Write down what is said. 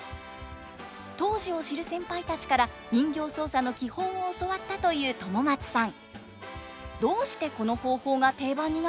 当時を知る先輩たちから人形操作の基本を教わったという友松さん。